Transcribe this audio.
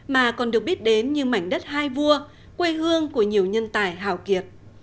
mà còn được biết đến như mảnh đất hai vua quê hương của nhiều nhân tài hào kiệt